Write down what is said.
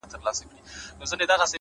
څنگ ته چي زه درغــــلـم _